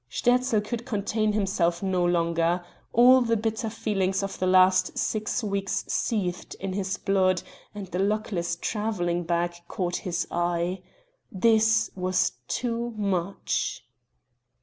Sterzl could contain himself no longer. All the bitter feelings of the last six weeks seethed in his blood, and the luckless travelling bag caught his eye. This was too much...